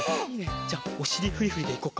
じゃおしりフリフリでいこっか。